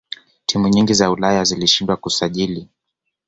timu nyingi za ulaya zilishindwa kusajili